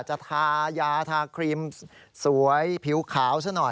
ทายาทาครีมสวยผิวขาวซะหน่อย